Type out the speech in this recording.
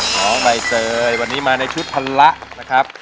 น้องใบเตยวันนี้มาในชุดพละนะครับ